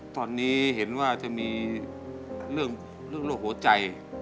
ตอนนี้เห็นว่าจะมีเรื่องโรคหัวใจ